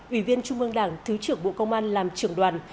ủy viên trung ương đảng thứ trưởng bộ công an làm trưởng đoàn